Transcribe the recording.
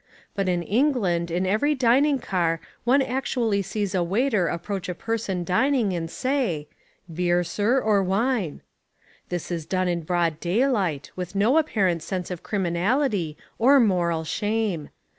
But in England in any dining car one actually sees a waiter approach a person dining and say, "Beer, sir, or wine?" This is done in broad daylight with no apparent sense of criminality or moral shame.